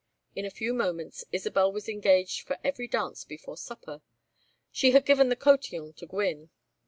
In a few moments Isabel was engaged for every dance before supper; she had given the cotillon to Gwynne.